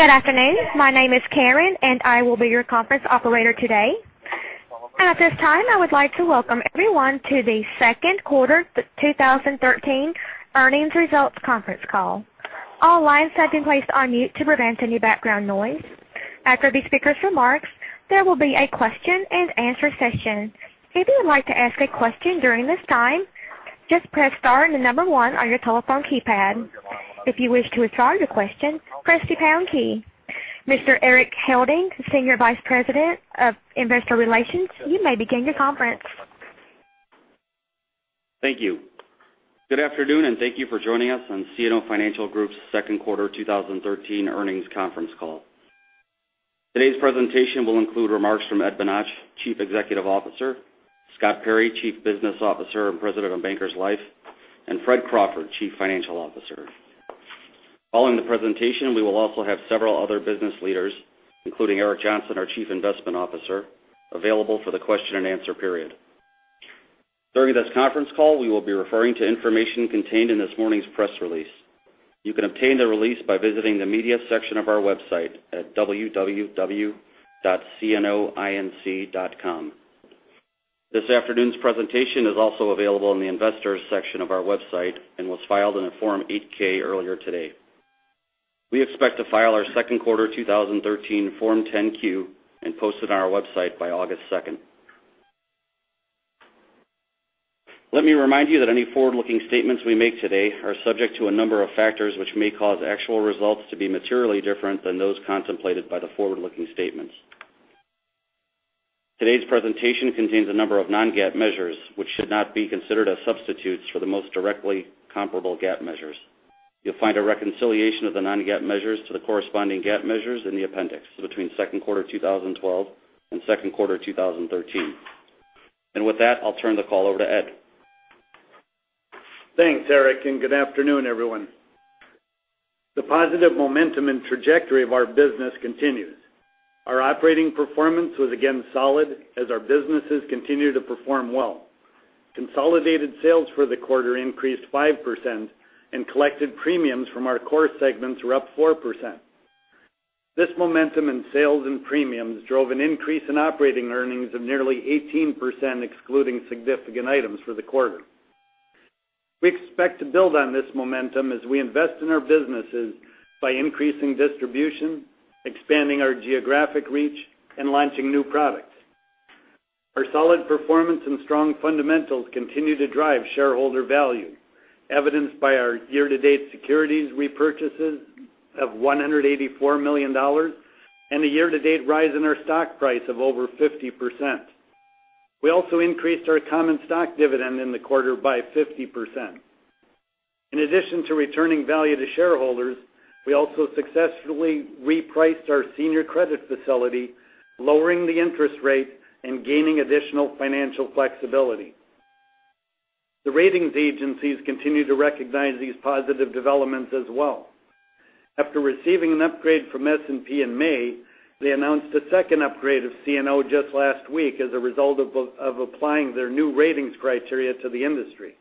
Good afternoon. My name is Karen, and I will be your conference operator today. At this time, I would like to welcome everyone to the second quarter 2013 earnings results conference call. All lines have been placed on mute to prevent any background noise. After the speakers' remarks, there will be a question and answer session. If you would like to ask a question during this time, just press star and the number one on your telephone keypad. If you wish to withdraw your question, press the pound key. Mr. Erik Helding, Senior Vice President of Investor Relations, you may begin your conference. Thank you. Good afternoon, and thank you for joining us on CNO Financial Group's second quarter 2013 earnings conference call. Today's presentation will include remarks from Ed Bonach, Chief Executive Officer, Scott Perry, Chief Business Officer and President of Bankers Life, and Fred Crawford, Chief Financial Officer. Following the presentation, we will also have several other business leaders, including Eric Johnson, our Chief Investment Officer, available for the question and answer period. During this conference call, we will be referring to information contained in this morning's press release. You can obtain the release by visiting the media section of our website at www.cnoinc.com. This afternoon's presentation is also available in the investors section of our website and was filed in a Form 8-K earlier today. We expect to file our second quarter 2013 Form 10-Q and post it on our website by August 2nd. Let me remind you that any forward-looking statements we make today are subject to a number of factors which may cause actual results to be materially different than those contemplated by the forward-looking statements. Today's presentation contains a number of non-GAAP measures, which should not be considered as substitutes for the most directly comparable GAAP measures. You'll find a reconciliation of the non-GAAP measures to the corresponding GAAP measures in the appendix between second quarter 2012 and second quarter 2013. With that, I'll turn the call over to Ed. Thanks, Erik, and good afternoon, everyone. The positive momentum and trajectory of our business continues. Our operating performance was again solid as our businesses continue to perform well. Consolidated sales for the quarter increased 5% and collected premiums from our core segments were up 4%. This momentum in sales and premiums drove an increase in operating earnings of nearly 18% excluding significant items for the quarter. We expect to build on this momentum as we invest in our businesses by increasing distribution, expanding our geographic reach, and launching new products. Our solid performance and strong fundamentals continue to drive shareholder value, evidenced by our year-to-date securities repurchases of $184 million, and a year-to-date rise in our stock price of over 50%. We also increased our common stock dividend in the quarter by 50%. In addition to returning value to shareholders, we also successfully repriced our senior credit facility, lowering the interest rate and gaining additional financial flexibility. The ratings agencies continue to recognize these positive developments as well. After receiving an upgrade from S&P in May, they announced a second upgrade of CNO just last week as a result of applying their new ratings criteria to the industry.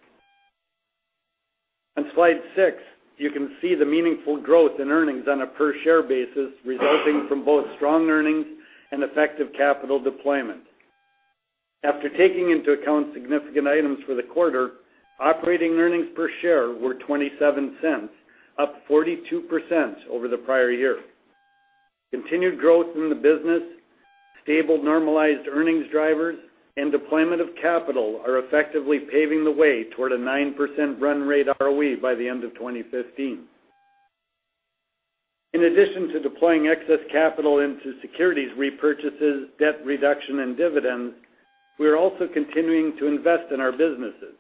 On slide six, you can see the meaningful growth in earnings on a per share basis resulting from both strong earnings and effective capital deployment. After taking into account significant items for the quarter, operating earnings per share were $0.27, up 42% over the prior year. Continued growth in the business, stable normalized earnings drivers, and deployment of capital are effectively paving the way toward a 9% run rate ROE by the end of 2015. In addition to deploying excess capital into securities repurchases, debt reduction, and dividends, we are also continuing to invest in our businesses.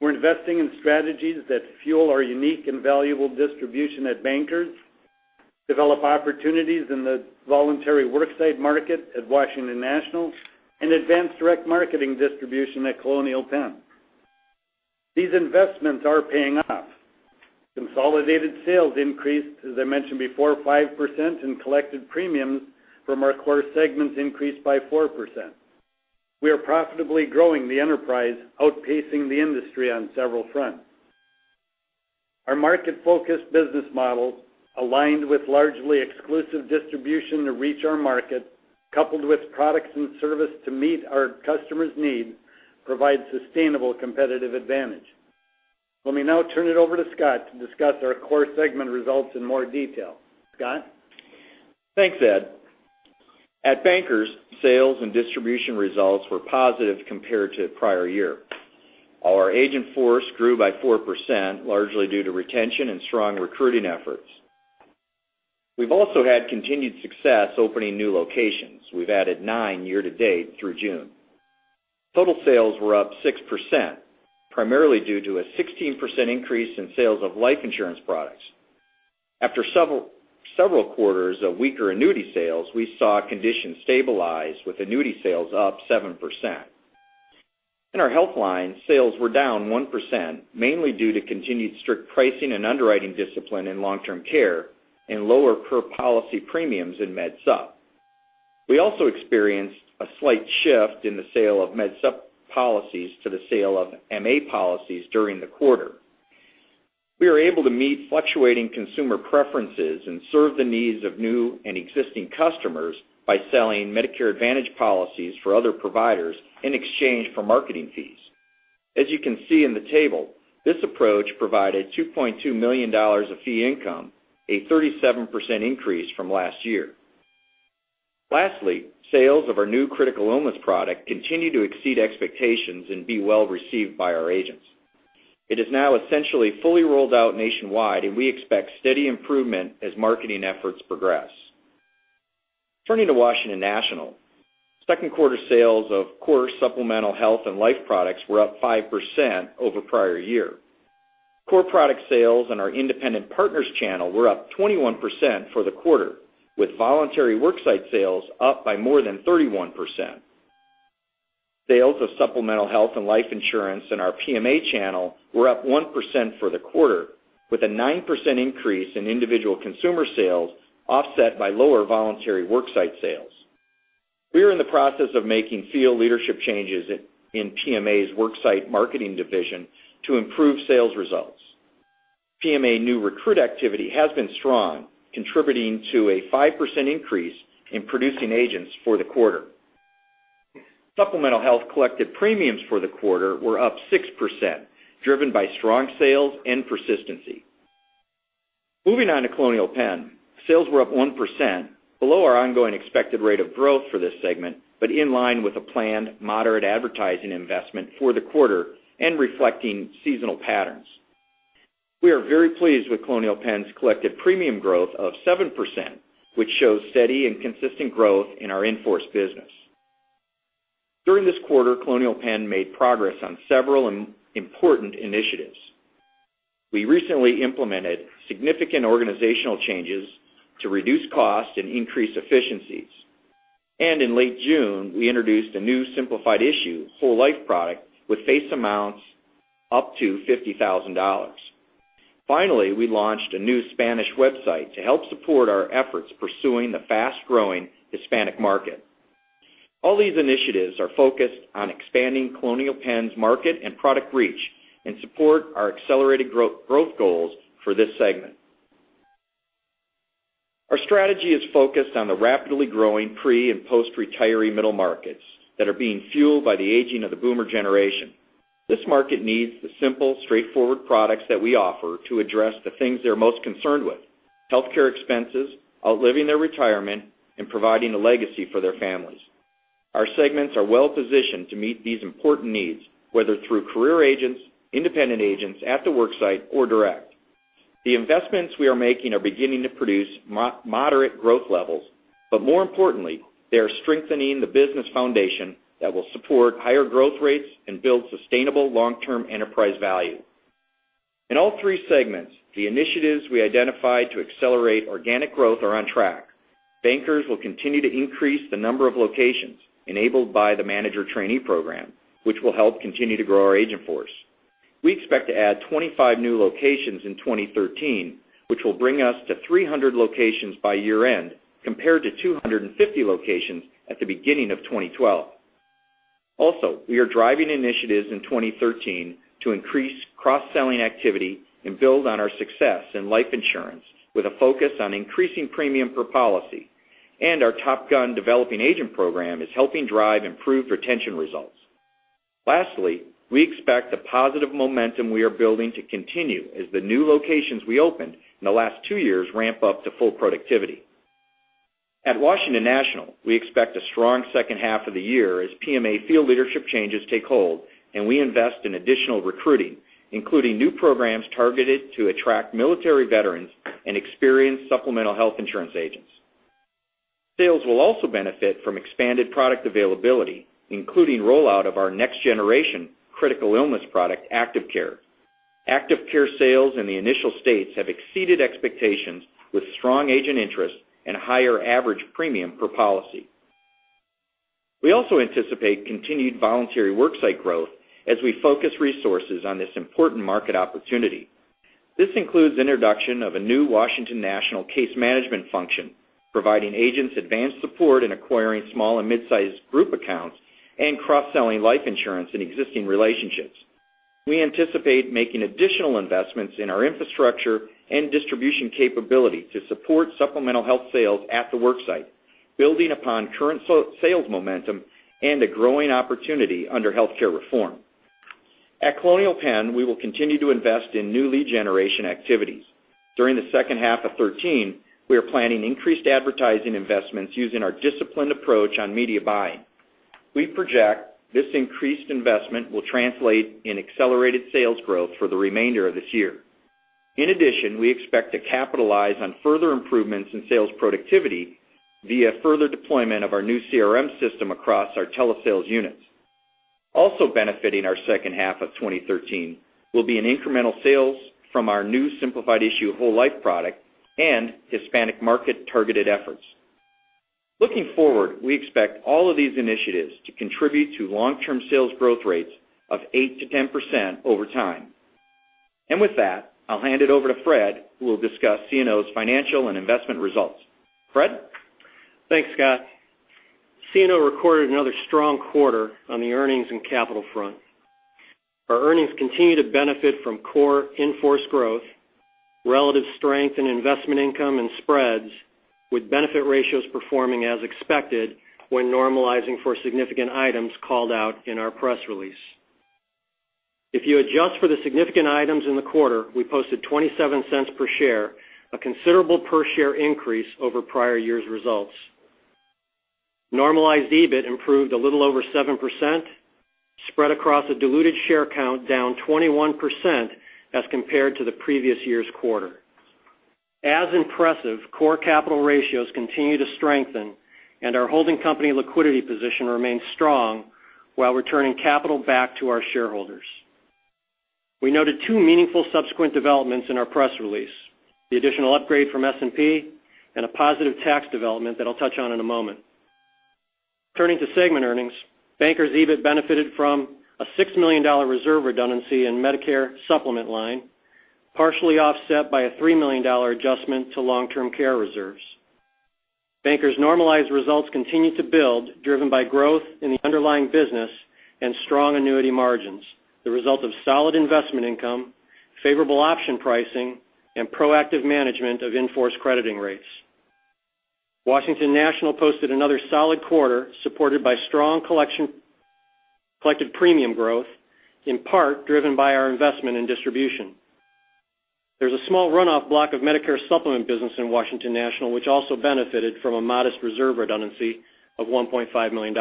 We are investing in strategies that fuel our unique and valuable distribution at Bankers, develop opportunities in the voluntary worksite market at Washington National, and advance direct marketing distribution at Colonial Penn. These investments are paying off. Consolidated sales increased, as I mentioned before, 5%, and collected premiums from our core segments increased by 4%. We are profitably growing the enterprise, outpacing the industry on several fronts. Our market-focused business model, aligned with largely exclusive distribution to reach our market, coupled with products and service to meet our customers' needs, provides sustainable competitive advantage. Let me now turn it over to Scott to discuss our core segment results in more detail. Scott? Thanks, Ed. At Bankers, sales and distribution results were positive compared to prior year. Our agent force grew by 4%, largely due to retention and strong recruiting efforts. We have also had continued success opening new locations. We have added nine year to date through June. Total sales were up 6%, primarily due to a 16% increase in sales of life insurance products. After several quarters of weaker annuity sales, we saw conditions stabilize with annuity sales up 7%. In our Healthline, sales were down 1%, mainly due to continued strict pricing and underwriting discipline in long-term care and lower per policy premiums in MedSup. We also experienced a slight shift in the sale of MedSup policies to the sale of MA policies during the quarter. We are able to meet fluctuating consumer preferences and serve the needs of new and existing customers by selling Medicare Advantage policies for other providers in exchange for marketing fees. As you can see in the table, this approach provided $2.2 million of fee income, a 37% increase from last year. Lastly, sales of our new critical illness product continue to exceed expectations and be well-received by our agents. It is now essentially fully rolled out nationwide, and we expect steady improvement as marketing efforts progress. Turning to Washington National, second quarter sales of core supplemental health and life products were up 5% over prior year. Core product sales in our independent partners channel were up 21% for the quarter, with voluntary worksite sales up by more than 31%. Sales of supplemental health and life insurance in our PMA channel were up 1% for the quarter, with a 9% increase in individual consumer sales offset by lower voluntary worksite sales. We are in the process of making field leadership changes in PMA's worksite marketing division to improve sales results. PMA new recruit activity has been strong, contributing to a 5% increase in producing agents for the quarter. Supplemental health collected premiums for the quarter were up 6%, driven by strong sales and persistency. Moving on to Colonial Penn, sales were up 1%, below our ongoing expected rate of growth for this segment, but in line with a planned moderate advertising investment for the quarter and reflecting seasonal patterns. We are very pleased with Colonial Penn's collected premium growth of 7%, which shows steady and consistent growth in our in-force business. During this quarter, Colonial Penn made progress on several important initiatives. We recently implemented significant organizational changes to reduce cost and increase efficiencies. In late June, we introduced a new simplified issue whole life product with face amounts up to $50,000. Finally, we launched a new Spanish website to help support our efforts pursuing the fast-growing Hispanic market. All these initiatives are focused on expanding Colonial Penn's market and product reach and support our accelerated growth goals for this segment. Our strategy is focused on the rapidly growing pre- and post-retiree middle markets that are being fueled by the aging of the boomer generation. This market needs the simple, straightforward products that we offer to address the things they're most concerned with, healthcare expenses, outliving their retirement, and providing a legacy for their families. Our segments are well-positioned to meet these important needs, whether through career agents, independent agents at the worksite, or direct. The investments we are making are beginning to produce moderate growth levels, but more importantly, they are strengthening the business foundation that will support higher growth rates and build sustainable long-term enterprise value. In all three segments, the initiatives we identified to accelerate organic growth are on track. Bankers will continue to increase the number of locations enabled by the manager trainee program, which will help continue to grow our agent force. We expect to add 25 new locations in 2013, which will bring us to 300 locations by year-end, compared to 250 locations at the beginning of 2012. Also, we are driving initiatives in 2013 to increase cross-selling activity and build on our success in life insurance, with a focus on increasing premium per policy. Our Top Gun developing agent program is helping drive improved retention results. Lastly, we expect the positive momentum we are building to continue as the new locations we opened in the last two years ramp up to full productivity. At Washington National, we expect a strong second half of the year as PMA field leadership changes take hold and we invest in additional recruiting, including new programs targeted to attract military veterans and experienced supplemental health insurance agents. Sales will also benefit from expanded product availability, including rollout of our next generation critical illness product, Active Care. Active Care sales in the initial states have exceeded expectations with strong agent interest and a higher average premium per policy. We also anticipate continued voluntary worksite growth as we focus resources on this important market opportunity. This includes introduction of a new Washington National case management function, providing agents advanced support in acquiring small and mid-sized group accounts and cross-selling life insurance in existing relationships. We anticipate making additional investments in our infrastructure and distribution capability to support supplemental health sales at the worksite, building upon current sales momentum and a growing opportunity under healthcare reform. At Colonial Penn, we will continue to invest in new lead generation activities. During the second half of 2013, we are planning increased advertising investments using our disciplined approach on media buying. We project this increased investment will translate in accelerated sales growth for the remainder of this year. In addition, we expect to capitalize on further improvements in sales productivity via further deployment of our new CRM system across our telesales units. Also benefiting our second half of 2013 will be incremental sales from our new simplified issue whole life product and Hispanic market targeted efforts. Looking forward, we expect all of these initiatives to contribute to long-term sales growth rates of 8%-10% over time. With that, I'll hand it over to Fred, who will discuss CNO's financial and investment results. Fred? Thanks, Scott. CNO recorded another strong quarter on the earnings and capital front. Our earnings continue to benefit from core in-force growth, relative strength in investment income and spreads, with benefit ratios performing as expected when normalizing for significant items called out in our press release. If you adjust for the significant items in the quarter, we posted $0.27 per share, a considerable per share increase over prior year's results. Normalized EBIT improved a little over 7%, spread across a diluted share count down 21% as compared to the previous year's quarter. As impressive, core capital ratios continue to strengthen and our holding company liquidity position remains strong while returning capital back to our shareholders. We noted two meaningful subsequent developments in our press release, the additional upgrade from S&P and a positive tax development that I'll touch on in a moment. Turning to segment earnings, Bankers EBIT benefited from a $6 million reserve redundancy in Medicare Supplement line, partially offset by a $3 million adjustment to long-term care reserves. Bankers' normalized results continue to build, driven by growth in the underlying business and strong annuity margins, the result of solid investment income, favorable option pricing, and proactive management of in-force crediting rates. Washington National posted another solid quarter, supported by strong collected premium growth, in part driven by our investment in distribution. There's a small runoff block of Medicare Supplement business in Washington National, which also benefited from a modest reserve redundancy of $1.5 million.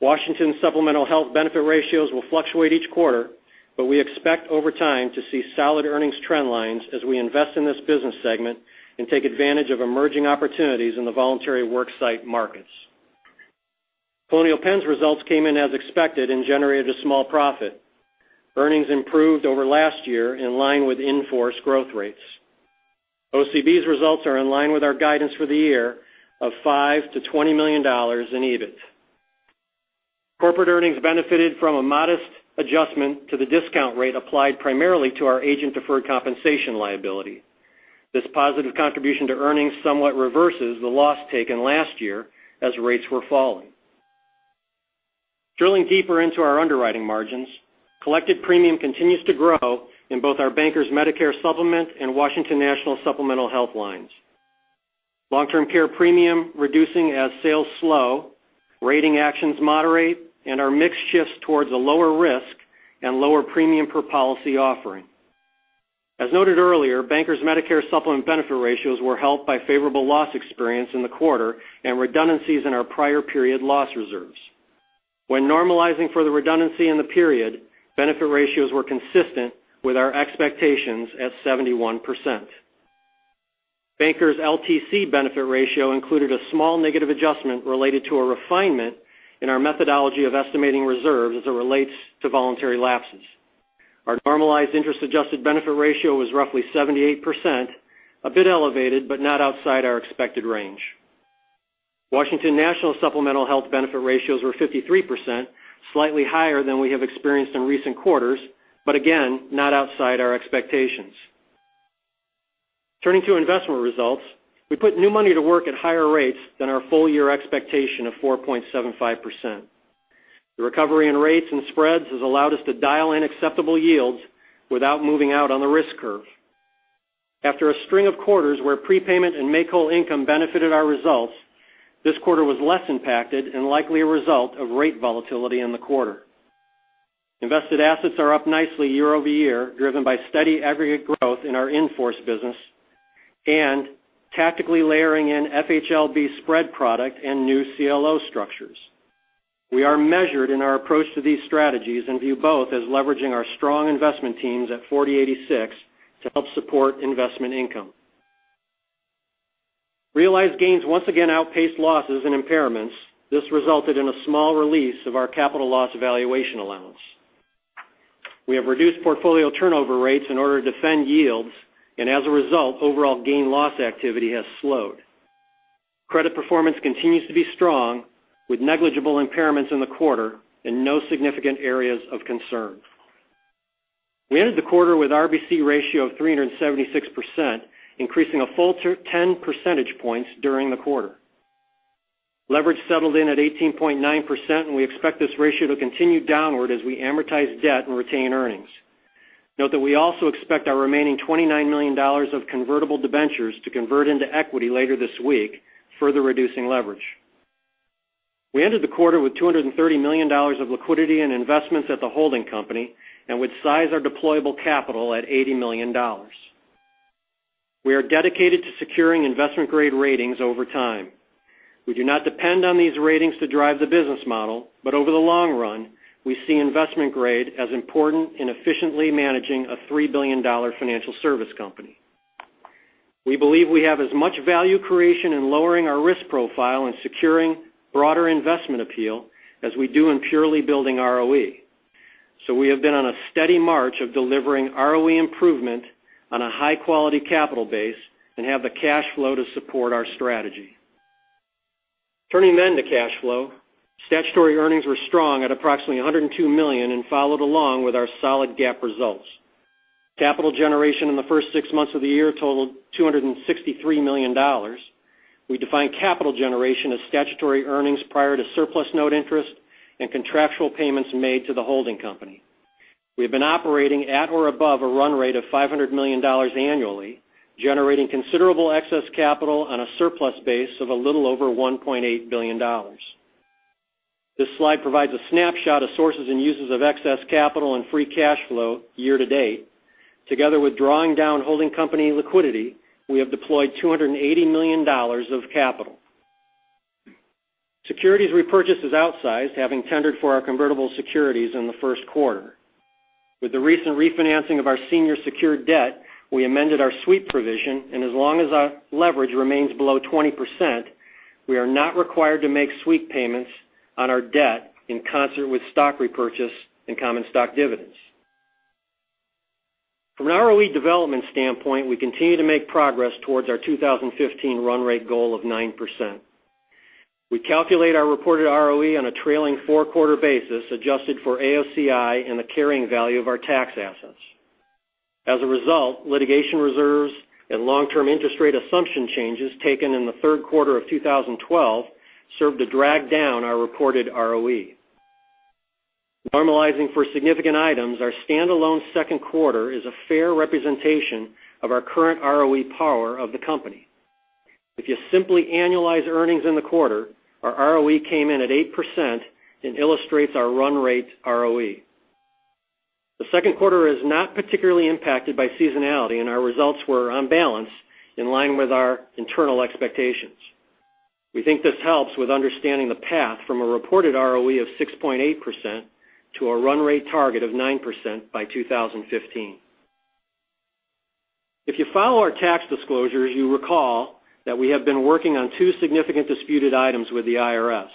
Washington Supplemental Health benefit ratios will fluctuate each quarter, but we expect over time to see solid earnings trend lines as we invest in this business segment and take advantage of emerging opportunities in the voluntary worksite markets. Colonial Penn's results came in as expected and generated a small profit. Earnings improved over last year in line with in-force growth rates. OCB's results are in line with our guidance for the year of $5 million-$20 million in EBIT. Corporate earnings benefited from a modest adjustment to the discount rate applied primarily to our agent deferred compensation liability. This positive contribution to earnings somewhat reverses the loss taken last year as rates were falling. Drilling deeper into our underwriting margins, collected premium continues to grow in both our Bankers Life Medicare Supplement and Washington National Supplemental Health lines. Long-term care premium reducing as sales slow, rating actions moderate, and our mix shifts towards a lower risk and lower premium per policy offering. As noted earlier, Bankers Life Medicare Supplement benefit ratios were helped by favorable loss experience in the quarter and redundancies in our prior period loss reserves. When normalizing for the redundancy in the period, benefit ratios were consistent with our expectations at 71%. Bankers Life LTC benefit ratio included a small negative adjustment related to a refinement in our methodology of estimating reserves as it relates to voluntary lapses. Our normalized interest-adjusted benefit ratio was roughly 78%, a bit elevated, but not outside our expected range. Washington National Supplemental Health benefit ratios were 53%, slightly higher than we have experienced in recent quarters, but again, not outside our expectations. Turning to investment results, we put new money to work at higher rates than our full-year expectation of 4.75%. The recovery in rates and spreads has allowed us to dial in acceptable yields without moving out on the risk curve. After a string of quarters where prepayment and make-whole income benefited our results, this quarter was less impacted and likely a result of rate volatility in the quarter. Invested assets are up nicely year-over-year, driven by steady aggregate growth in our in-force business and tactically layering in FHLB spread product and new CLO structures. We are measured in our approach to these strategies and view both as leveraging our strong investment teams at 40/86 to help support investment income. Realized gains once again outpaced losses and impairments. This resulted in a small release of our capital loss evaluation allowance. We have reduced portfolio turnover rates in order to defend yields, and as a result, overall gain loss activity has slowed. Credit performance continues to be strong, with negligible impairments in the quarter and no significant areas of concern. We ended the quarter with RBC ratio of 376%, increasing a full 10 percentage points during the quarter. Leverage settled in at 18.9%, and we expect this ratio to continue downward as we amortize debt and retain earnings. Note that we also expect our remaining $29 million of convertible debentures to convert into equity later this week, further reducing leverage. We ended the quarter with $230 million of liquidity and investments at the holding company and with size our deployable capital at $80 million. We are dedicated to securing investment-grade ratings over time. We do not depend on these ratings to drive the business model, but over the long run, we see investment grade as important in efficiently managing a $3 billion financial service company. We believe we have as much value creation in lowering our risk profile and securing broader investment appeal as we do in purely building ROE. We have been on a steady march of delivering ROE improvement on a high-quality capital base and have the cash flow to support our strategy. Turning to cash flow. Statutory earnings were strong at approximately $102 million and followed along with our solid GAAP results. Capital generation in the first six months of the year totaled $263 million. We define capital generation as statutory earnings prior to surplus note interest and contractual payments made to the holding company. We have been operating at or above a run rate of $500 million annually, generating considerable excess capital on a surplus base of a little over $1.8 billion. This slide provides a snapshot of sources and uses of excess capital and free cash flow year to date. Together with drawing down holding company liquidity, we have deployed $280 million of capital. Securities repurchase is outsized, having tendered for our convertible securities in the first quarter. With the recent refinancing of our senior secured debt, we amended our sweep provision. As long as our leverage remains below 20%, we are not required to make sweep payments on our debt in concert with stock repurchase and common stock dividends. From an ROE development standpoint, we continue to make progress towards our 2015 run rate goal of 9%. We calculate our reported ROE on a trailing four-quarter basis, adjusted for AOCI and the carrying value of our tax assets. As a result, litigation reserves and long-term interest rate assumption changes taken in the third quarter of 2012 served to drag down our reported ROE. Normalizing for significant items, our standalone second quarter is a fair representation of our current ROE power of the company. If you simply annualize earnings in the quarter, our ROE came in at 8% and illustrates our run rate ROE. The second quarter is not particularly impacted by seasonality. Our results were, on balance, in line with our internal expectations. We think this helps with understanding the path from a reported ROE of 6.8% to a run rate target of 9% by 2015. If you follow our tax disclosures, you recall that we have been working on two significant disputed items with the IRS,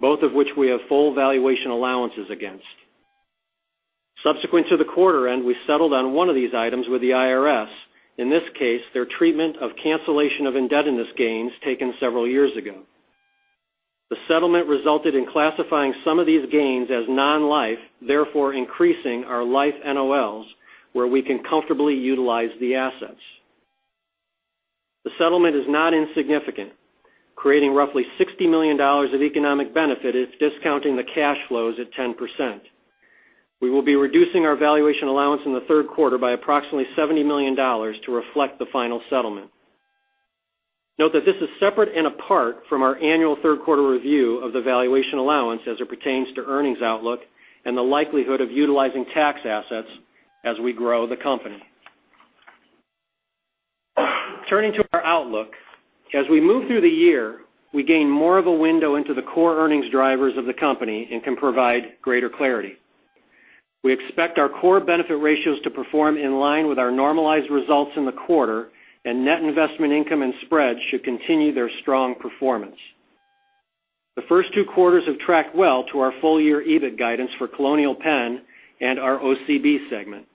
both of which we have full valuation allowances against. Subsequent to the quarter end, we settled on one of these items with the IRS, in this case, their treatment of cancellation of indebtedness gains taken several years ago. The settlement resulted in classifying some of these gains as non-life, therefore increasing our life NOLs, where we can comfortably utilize the assets. The settlement is not insignificant, creating roughly $60 million of economic benefit if discounting the cash flows at 10%. We will be reducing our valuation allowance in the third quarter by approximately $70 million to reflect the final settlement. Note that this is separate and apart from our annual third quarter review of the valuation allowance as it pertains to earnings outlook and the likelihood of utilizing tax assets as we grow the company. Turning to our outlook. As we move through the year, we gain more of a window into the core earnings drivers of the company and can provide greater clarity. We expect our core benefit ratios to perform in line with our normalized results in the quarter. Net investment income and spread should continue their strong performance. The first two quarters have tracked well to our full-year EBIT guidance for Colonial Penn and our OCB segment.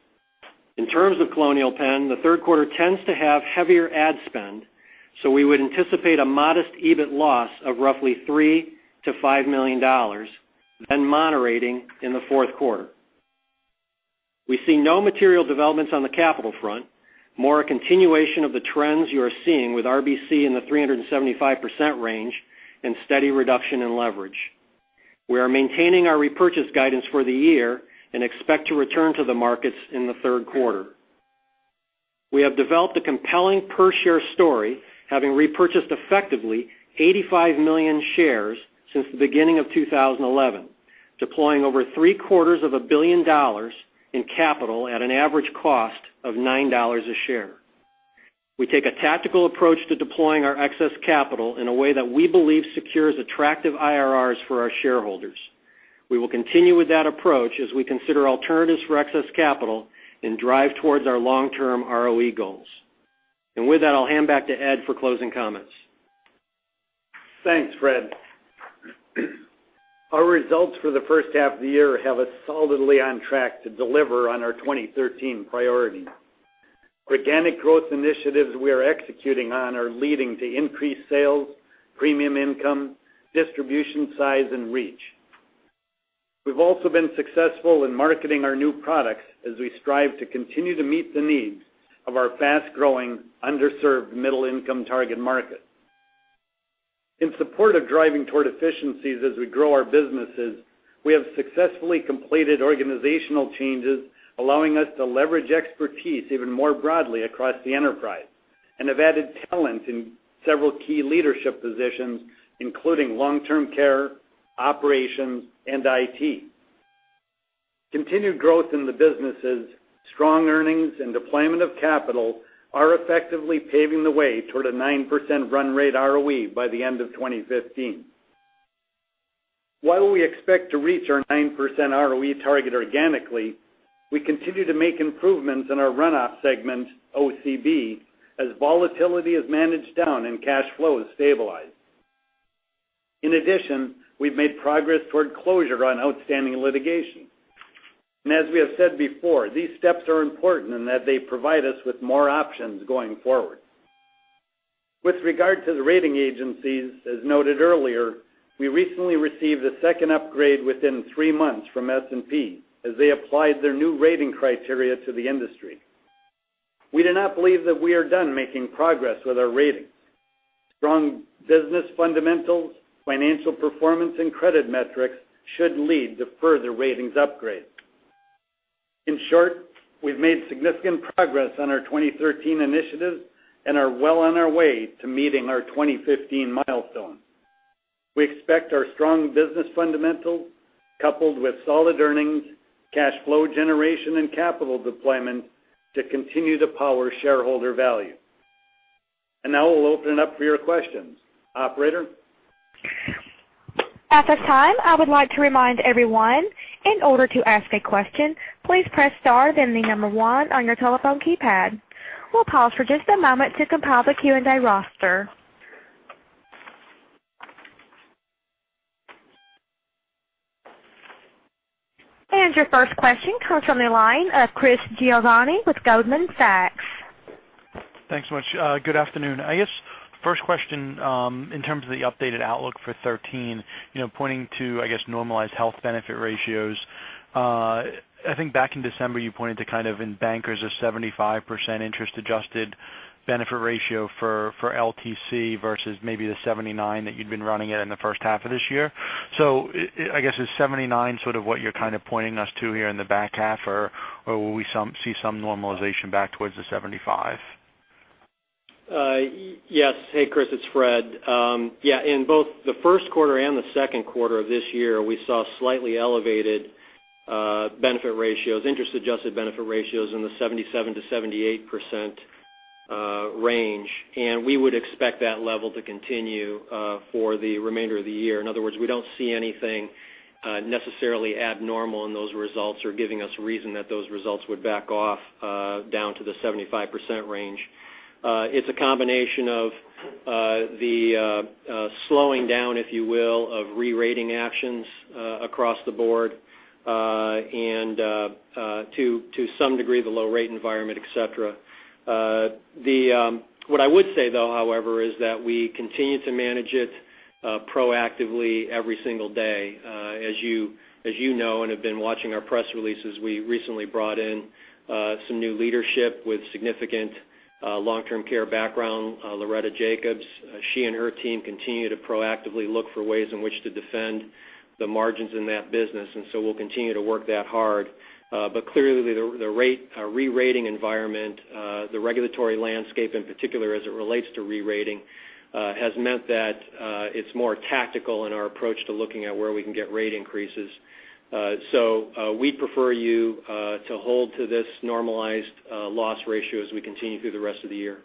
In terms of Colonial Penn, the third quarter tends to have heavier ad spend, so we would anticipate a modest EBIT loss of roughly $3 million-$5 million, then moderating in the fourth quarter. We see no material developments on the capital front, more a continuation of the trends you are seeing with RBC in the 375% range and steady reduction in leverage. We are maintaining our repurchase guidance for the year and expect to return to the markets in the third quarter. We have developed a compelling per-share story, having repurchased effectively 85 million shares since the beginning of 2011, deploying over three-quarters of a billion dollars in capital at an average cost of $9 a share. We take a tactical approach to deploying our excess capital in a way that we believe secures attractive IRRs for our shareholders. We will continue with that approach as we consider alternatives for excess capital and drive towards our long-term ROE goals. With that, I'll hand back to Ed for closing comments. Thanks, Fred. Our results for the first half of the year have us solidly on track to deliver on our 2013 priorities. Organic growth initiatives we are executing on are leading to increased sales, premium income, distribution, size, and reach. We've also been successful in marketing our new products as we strive to continue to meet the needs of our fast-growing, underserved middle-income target market. In support of driving toward efficiencies as we grow our businesses, we have successfully completed organizational changes, allowing us to leverage expertise even more broadly across the enterprise and have added talent in several key leadership positions, including Long Term Care, operations, and IT. Continued growth in the businesses, strong earnings, and deployment of capital are effectively paving the way toward a 9% run rate ROE by the end of 2015. While we expect to reach our 9% ROE target organically, we continue to make improvements in our runoff segment, OCB, as volatility is managed down and cash flow is stabilized. In addition, we've made progress toward closure on outstanding litigation. As we have said before, these steps are important in that they provide us with more options going forward. With regard to the rating agencies, as noted earlier, we recently received a second upgrade within three months from S&P as they applied their new rating criteria to the industry. We do not believe that we are done making progress with our ratings. Strong business fundamentals, financial performance and credit metrics should lead to further ratings upgrades. In short, we've made significant progress on our 2013 initiatives and are well on our way to meeting our 2015 milestones. We expect our strong business fundamentals, coupled with solid earnings, cash flow generation, and capital deployment, to continue to power shareholder value. Now we'll open it up for your questions. Operator? At this time, I would like to remind everyone, in order to ask a question, please press star, then the number one on your telephone keypad. We'll pause for just a moment to compile the Q&A roster. Your first question comes from the line of Chris Giovanni with Goldman Sachs. Thanks so much. Good afternoon. First question, in terms of the updated outlook for 2013, pointing to normalized health benefit ratios. Back in December, you pointed to in Bankers, a 75% interest adjusted benefit ratio for LTC versus maybe the 79% that you'd been running at in the first half of this year. Is 79% what you're pointing us to here in the back half or will we see some normalization back towards the 75%? Hey, Chris, it's Fred. In both the first quarter and the second quarter of this year, we saw slightly elevated interest-adjusted benefit ratios in the 77%-78% range, and we would expect that level to continue for the remainder of the year. In other words, we don't see anything necessarily abnormal in those results or giving us reason that those results would back off down to the 75% range. It's a combination of the slowing down, if you will, of re-rating actions across the board, and to some degree, the low rate environment, et cetera. What I would say though, however, is that we continue to manage it proactively every single day. As you know and have been watching our press releases, we recently brought in some new leadership with significant long-term care background, Loretta Jacobs. She and her team continue to proactively look for ways in which to defend the margins in that business. We'll continue to work that hard. Clearly, the re-rating environment, the regulatory landscape in particular as it relates to re-rating has meant that it's more tactical in our approach to looking at where we can get rate increases. We'd prefer you to hold to this normalized loss ratio as we continue through the rest of the year.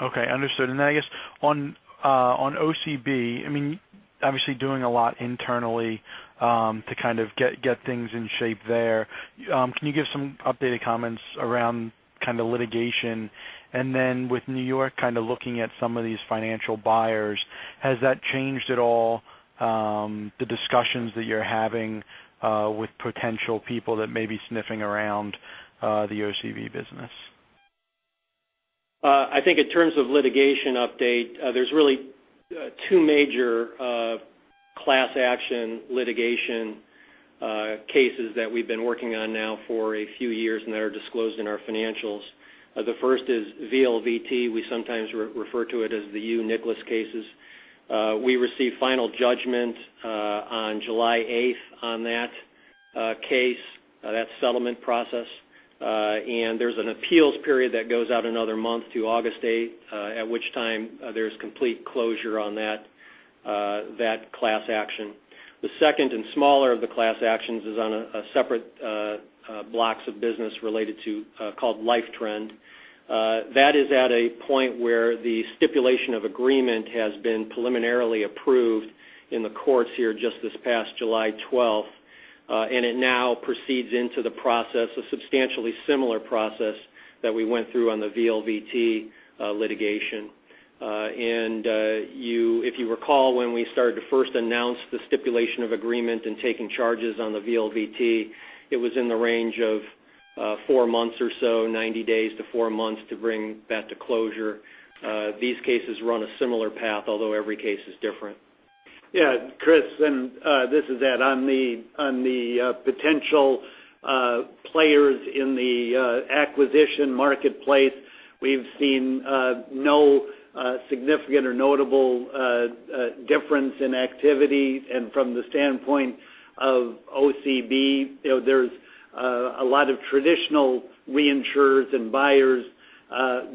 Okay, understood. I guess on OCB, obviously doing a lot internally to kind of get things in shape there. Can you give some updated comments around kind of litigation? With New York kind of looking at some of these financial buyers, has that changed at all the discussions that you're having with potential people that may be sniffing around the OCB business? I think in terms of litigation update, there's really two major class action litigation cases that we've been working on now for a few years and that are disclosed in our financials. The first is VLVT. We sometimes refer to it as the ULLICO's cases. We received final judgment on July 8th on that case, that settlement process. There's an appeals period that goes out another month to August 8th, at which time there's complete closure on that class action. The second and smaller of the class actions is on separate blocks of business related to, called LifeTrend. That is at a point where the stipulation of agreement has been preliminarily approved in the courts here just this past July 12th. It now proceeds into the process, a substantially similar process that we went through on the VLVT litigation. If you recall, when we started to first announce the stipulation of agreement and taking charges on the VLVT, it was in the range of four months or so, 90 days to four months to bring that to closure. These cases run a similar path, although every case is different. Yeah, Chris, this is Ed. On the potential players in the acquisition marketplace, we've seen no significant or notable difference in activity. From the standpoint of OCB, there's a lot of traditional reinsurers and buyers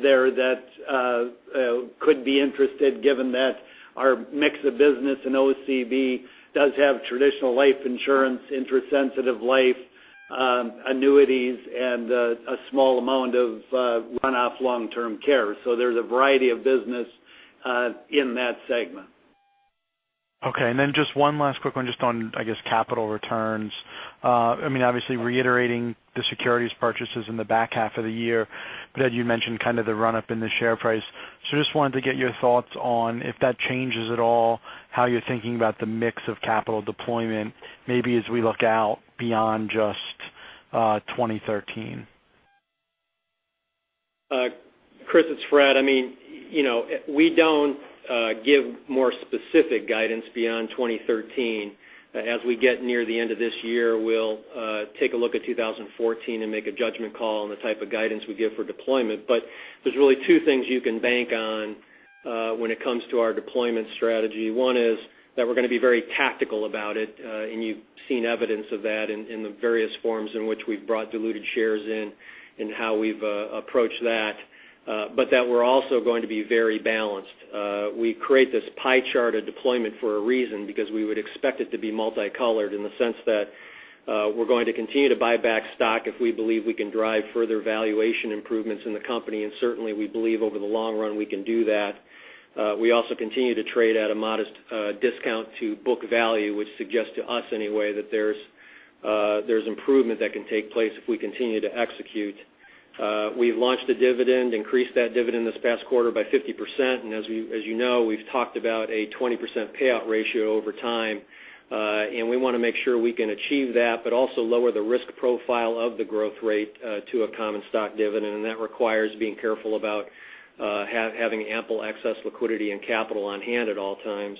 there that could be interested given that our mix of business in OCB does have traditional life insurance, interest-sensitive life, annuities, and a small amount of runoff long-term care. There's a variety of business in that segment. Okay, just one last quick one just on, I guess, capital returns. Obviously reiterating the securities purchases in the back half of the year, but Ed, you mentioned kind of the run-up in the share price. Just wanted to get your thoughts on if that changes at all how you're thinking about the mix of capital deployment, maybe as we look out beyond just 2013. Chris, it's Fred. We don't give more specific guidance beyond 2013. As we get near the end of this year, we'll take a look at 2014 and make a judgment call on the type of guidance we give for deployment. There's really two things you can bank on when it comes to our deployment strategy. One is that we're going to be very tactical about it, and you've seen evidence of that in the various forms in which we've brought diluted shares in and how we've approached that, but that we're also going to be very balanced. We create this pie chart of deployment for a reason, because we would expect it to be multicolored in the sense that we're going to continue to buy back stock if we believe we can drive further valuation improvements in the company, and certainly, we believe over the long run, we can do that. We also continue to trade at a modest discount to book value, which suggests to us anyway, that there's improvement that can take place if we continue to execute. We've launched a dividend, increased that dividend this past quarter by 50%, and as you know, we've talked about a 20% payout ratio over time. We want to make sure we can achieve that, but also lower the risk profile of the growth rate to a common stock dividend, and that requires being careful about having ample excess liquidity and capital on hand at all times.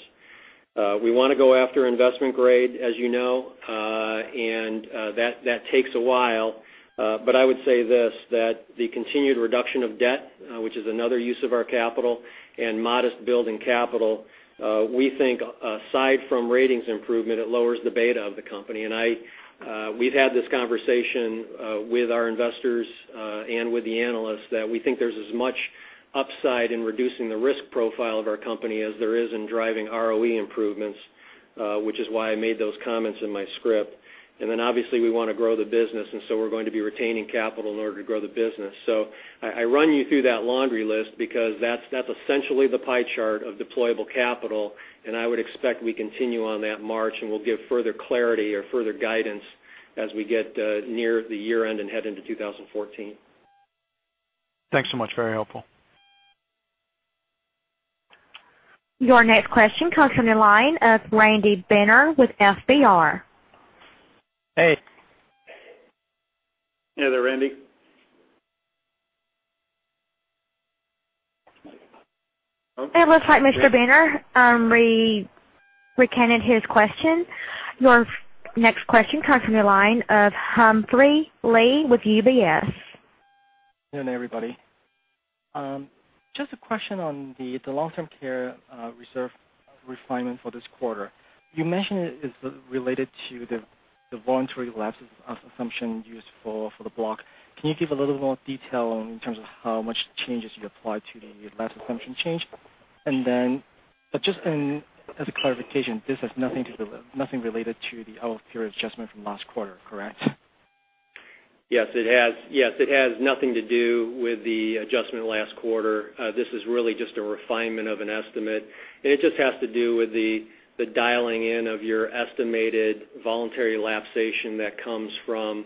We want to go after investment grade, as you know, that takes a while. I would say this, that the continued reduction of debt, which is another use of our capital, and modest building capital, we think aside from ratings improvement, it lowers the beta of the company. We've had this conversation with our investors and with the analysts that we think there's as much upside in reducing the risk profile of our company as there is in driving ROE improvements, which is why I made those comments in my script. Obviously, we want to grow the business, and so we're going to be retaining capital in order to grow the business. I run you through that laundry list because that's essentially the pie chart of deployable capital, and I would expect we continue on that march, and we'll give further clarity or further guidance as we get near the year-end and head into 2014. Thanks so much. Very helpful. Your next question comes from the line of Randy Binner with FBR. Hey. You there, Randy? It looks like Mr. Binner recanted his question. Your next question comes from the line of Humphrey Lee with UBS. Good afternoon, everybody. Just a question on the long-term care reserve refinement for this quarter. You mentioned it's related to the voluntary lapses assumption used for the block. Can you give a little more detail in terms of how much changes you applied to the lapse assumption change? Just as a clarification, this has nothing related to the health care adjustment from last quarter, correct? Yes, it has nothing to do with the adjustment last quarter. This is really just a refinement of an estimate, and it just has to do with the dialing in of your estimated voluntary lapsation that comes from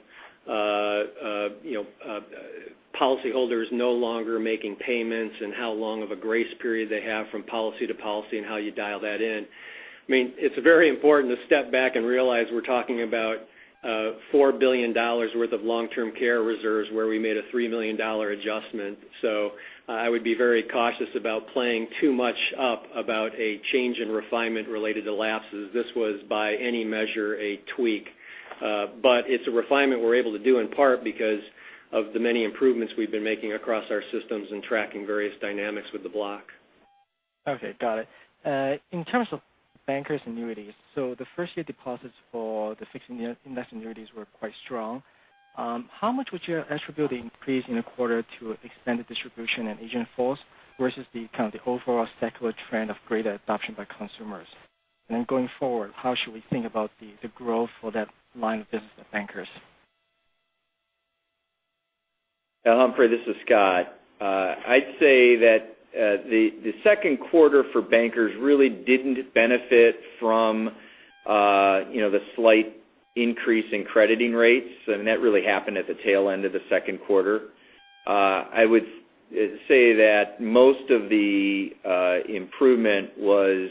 policyholders no longer making payments and how long of a grace period they have from policy to policy and how you dial that in. It's very important to step back and realize we're talking about $4 billion worth of long-term care reserves where we made a $3 million adjustment. I would be very cautious about playing too much up about a change in refinement related to lapses. This was, by any measure, a tweak. It's a refinement we're able to do in part because of the many improvements we've been making across our systems and tracking various dynamics with the block. Okay. Got it. In terms of Bankers Annuities, the first-year deposits for the fixed-index annuities were quite strong. How much would you attribute the increase in the quarter to extended distribution and agent force versus the overall secular trend of greater adoption by consumers? Going forward, how should we think about the growth for that line of business at Bankers? Humphrey, this is Scott. I'd say that the second quarter for Bankers really didn't benefit from the slight increase in crediting rates, and that really happened at the tail end of the second quarter. I would say that most of the improvement was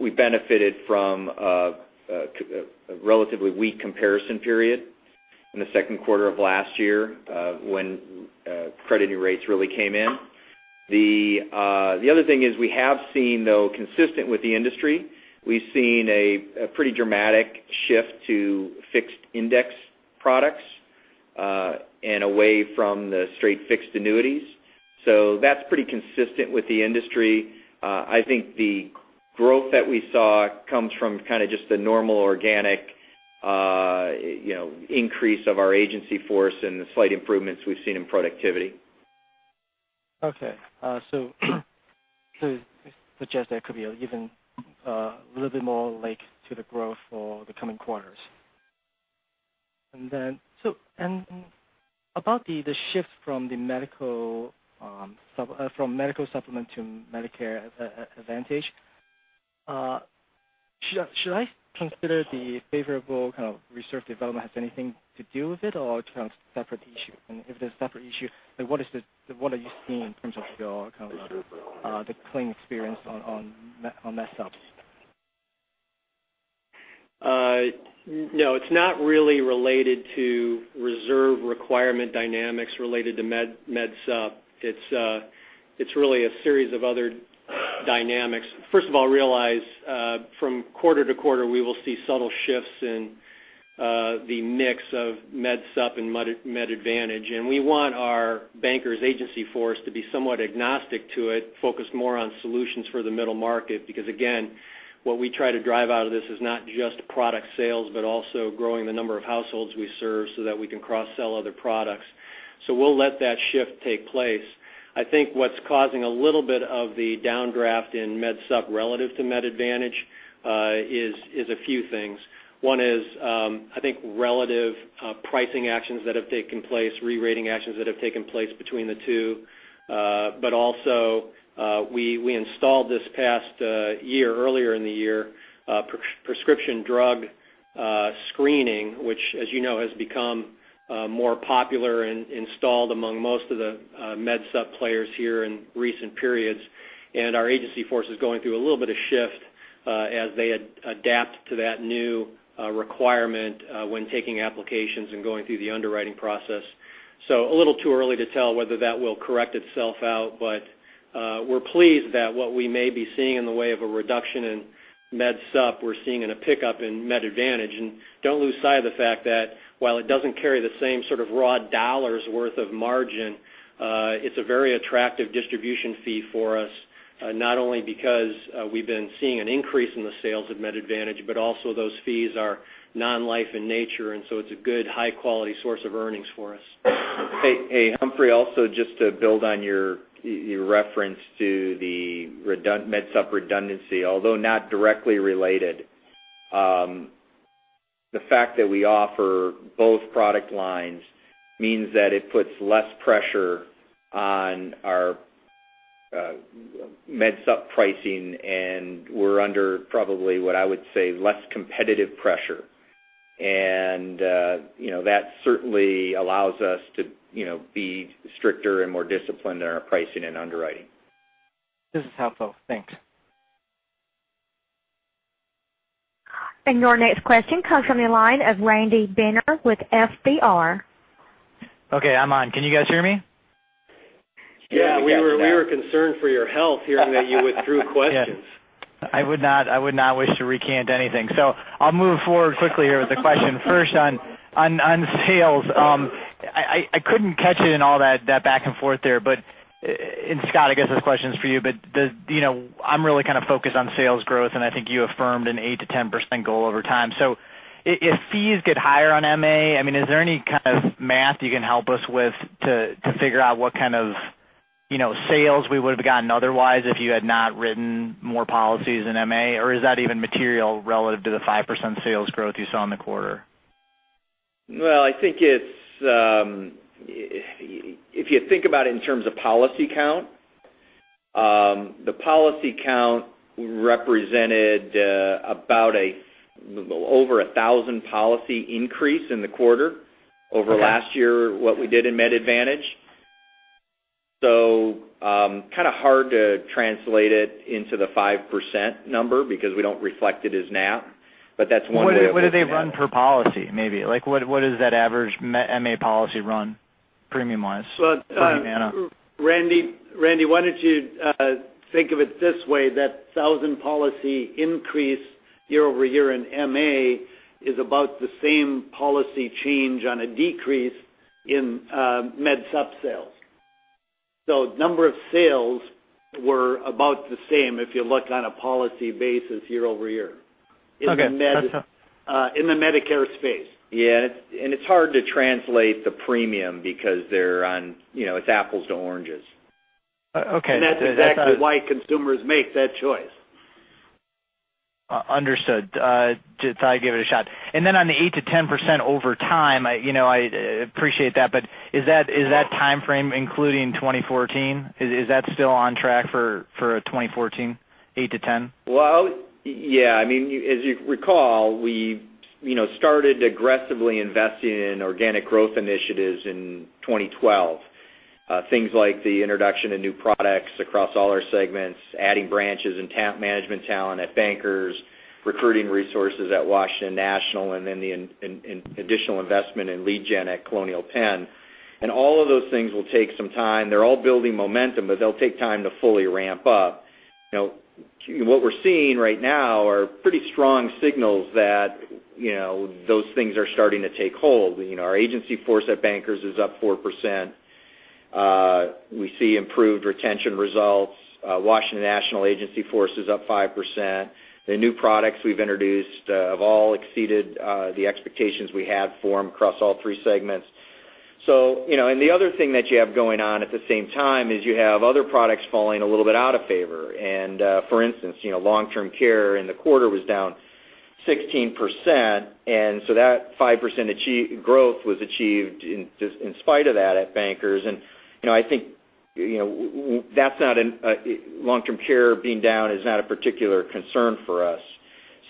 we benefited from a relatively weak comparison period in the second quarter of last year when crediting rates really came in. The other thing is we have seen, though, consistent with the industry, we've seen a pretty dramatic shift to fixed-index products and away from the straight fixed annuities. That's pretty consistent with the industry. I think the growth that we saw comes from kind of just the normal organic increase of our agency force and the slight improvements we've seen in productivity. Okay. To suggest there could be a even little bit more leg to the growth for the coming quarters. About the shift from Medicare Supplement to Medicare Advantage, should I consider the favorable kind of reserve development has anything to do with it, or separate issue? If there's separate issue, what are you seeing in terms of your kind of the claim experience on MedSup? No, it's not really related to reserve requirement dynamics related to MedSup. It's really a series of other dynamics. First of all, realize from quarter to quarter, we will see subtle shifts in the mix of MedSup and MedAdvantage. We want our Bankers agency force to be somewhat agnostic to it, focused more on solutions for the middle market. Again, what we try to drive out of this is not just product sales, but also growing the number of households we serve so that we can cross-sell other products. We'll let that shift take place. I think what's causing a little bit of the downdraft in MedSup relative to MedAdvantage is a few things. One is, I think, relative pricing actions that have taken place, re-rating actions that have taken place between the two. Also, we installed this past year, earlier in the year, prescription drug screening, which, as you know, has become more popular and installed among most of the MedSup players here in recent periods. Our agency force is going through a little bit of shift as they adapt to that new requirement when taking applications and going through the underwriting process. A little too early to tell whether that will correct itself out, but we're pleased that what we may be seeing in the way of a reduction in MedSup, we're seeing in a pickup in MedAdvantage. Don't lose sight of the fact that while it doesn't carry the same sort of raw dollars worth of margin, it's a very attractive distribution fee for us, not only because we've been seeing an increase in the sales of MedAdvantage, but also those fees are non-life in nature, it's a good high-quality source of earnings for us. Hey, Humphrey, also just to build on your reference to the MedSup redundancy, although not directly related. The fact that we offer both product lines means that it puts less pressure on our MedSup pricing, and we're under probably what I would say, less competitive pressure. That certainly allows us to be stricter and more disciplined in our pricing and underwriting. This is helpful. Thanks. Your next question comes from the line of Randy Binner with FBR. Okay, I'm on. Can you guys hear me? Yeah, we were concerned for your health hearing that you withdrew questions. I would not wish to recant anything. I'll move forward quickly here with the question first on sales. I couldn't catch it in all that back and forth there. Scott, I guess this question is for you, but I'm really kind of focused on sales growth, and I think you affirmed an 8%-10% goal over time. If fees get higher on MA, is there any kind of math you can help us with to figure out what kind of sales we would have gotten otherwise if you had not written more policies in MA? Is that even material relative to the 5% sales growth you saw in the quarter? Well, if you think about it in terms of policy count, the policy count represented about a little over 1,000 policy increase in the quarter over last year, what we did in MedAdvantage. Kind of hard to translate it into the 5% number because we don't reflect it as NAP, but that's one way of looking at it. What do they run per policy, maybe? What does that average MA policy run premium-wise annual? Randy, why don't you think of it this way, that 1,000 policy increase year-over-year in MA is about the same policy change on a decrease in MedSup sales. The number of sales were about the same if you look on a policy basis year-over-year. Okay. In the Medicare space. It's hard to translate the premium because it's apples to oranges. Okay. That's exactly why consumers make that choice. Understood. Thought I'd give it a shot. On the 8%-10% over time, I appreciate that, but is that timeframe including 2014? Is that still on track for 2014, 8%-10%? Well, yeah. As you recall, we started aggressively investing in organic growth initiatives in 2012. Things like the introduction of new products across all our segments, adding branches and management talent at Bankers, recruiting resources at Washington National, then the additional investment in lead gen at Colonial Penn. All of those things will take some time. They're all building momentum, but they'll take time to fully ramp up. What we're seeing right now are pretty strong signals that those things are starting to take hold. Our agency force at Bankers is up 4%. We see improved retention results. Washington National agency force is up 5%. The new products we've introduced have all exceeded the expectations we had for them across all three segments. The other thing that you have going on at the same time is you have other products falling a little bit out of favor. For instance, long-term care in the quarter was down 16%. That 5% growth was achieved in spite of that at Bankers. I think long-term care being down is not a particular concern for us.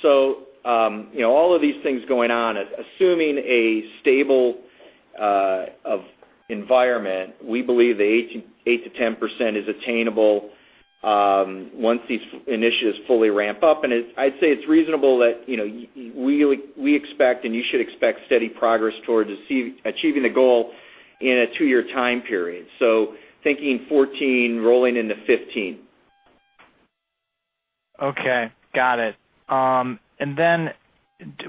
All of these things going on, assuming a stable environment, we believe that 8%-10% is attainable once these initiatives fully ramp up. I'd say it's reasonable that we expect, and you should expect, steady progress towards achieving the goal in a two-year time period. Thinking 2014 rolling into 2015. Okay. Got it.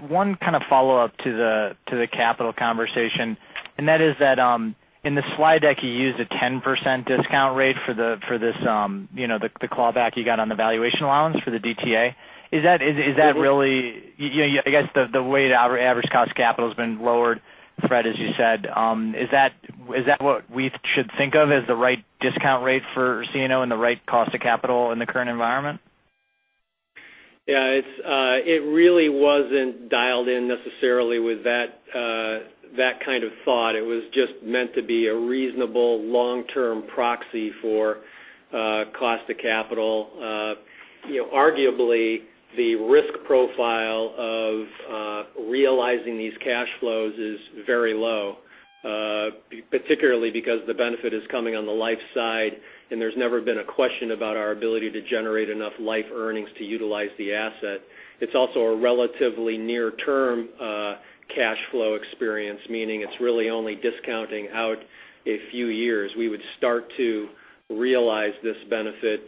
One follow-up to the capital conversation, and that is that in the slide deck, you used a 10% discount rate for the clawback you got on the valuation allowance for the DTA. I guess the way the average cost of capital has been lowered, Fred, as you said. Is that what we should think of as the right discount rate for CNO and the right cost of capital in the current environment? Yeah. It really wasn't dialed in necessarily with that kind of thought. It was just meant to be a reasonable long-term proxy for cost of capital. Arguably, the risk profile of realizing these cash flows is very low, particularly because the benefit is coming on the life side, and there's never been a question about our ability to generate enough life earnings to utilize the asset. It's also a relatively near-term cash flow experience, meaning it's really only discounting out a few years. We would start to realize this benefit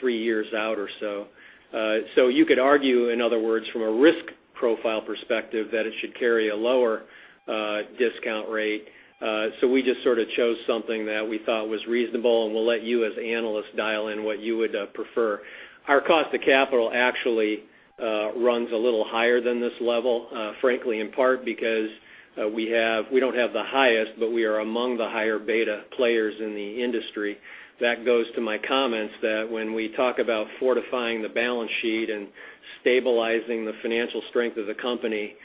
three years out or so. You could argue, in other words, from a risk profile perspective, that it should carry a lower discount rate. We just chose something that we thought was reasonable, and we'll let you, as analysts, dial in what you would prefer. Our cost of capital actually runs a little higher than this level, frankly, in part because we don't have the highest, but we are among the higher beta players in the industry. That goes to my comments that when we talk about fortifying the balance sheet and stabilizing the financial strength of the company and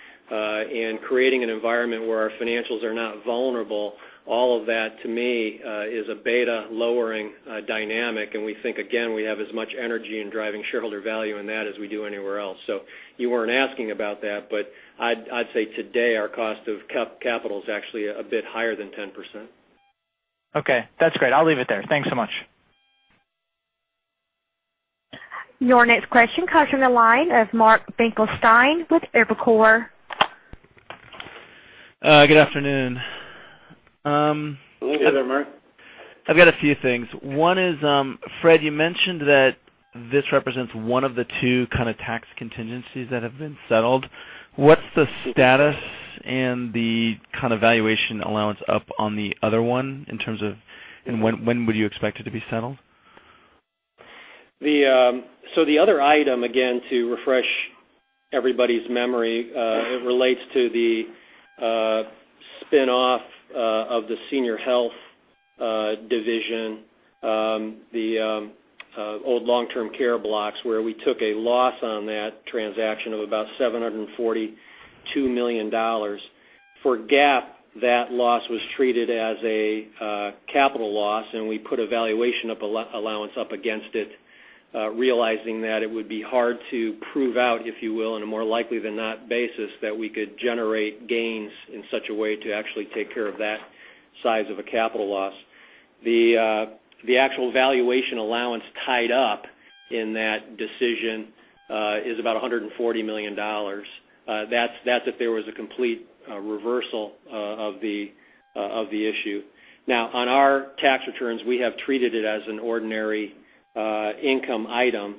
creating an environment where our financials are not vulnerable, all of that, to me, is a beta-lowering dynamic, and we think, again, we have as much energy in driving shareholder value in that as we do anywhere else. You weren't asking about that, but I'd say today, our cost of capital is actually a bit higher than 10%. Okay. That's great. I'll leave it there. Thanks so much. Your next question comes from the line of Mark Finkelstein with Evercore. Good afternoon. Hello there, Mark. I've got a few things. One is, Fred, you mentioned that this represents one of the two tax contingencies that have been settled. What's the status and the valuation allowance up on the other one, and when would you expect it to be settled? The other item, again, to refresh everybody's memory, it relates to the spin-off of the senior health division, the old long-term care blocks, where we took a loss on that transaction of about $742 million. For GAAP, that loss was treated as a capital loss, and we put a valuation allowance up against it, realizing that it would be hard to prove out, if you will, on a more likely than not basis that we could generate gains in such a way to actually take care of that size of a capital loss. The actual valuation allowance tied up in that decision is about $140 million. That's if there was a complete reversal of the issue. On our tax returns, we have treated it as an ordinary income item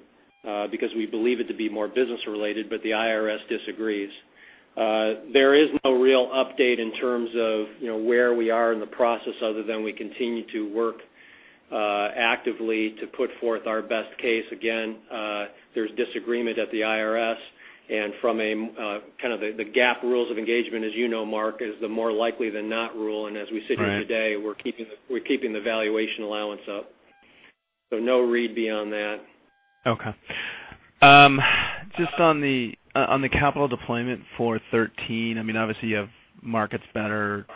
because we believe it to be more business related, the IRS disagrees. There is no real update in terms of where we are in the process other than we continue to work actively to put forth our best case. There's disagreement at the IRS, from the GAAP rules of engagement, as you know, Mark, is the more likely than not rule. Right. As we sit here today, we're keeping the valuation allowance up. No read beyond that. Okay. Just on the capital deployment for 2013, obviously you have markets better,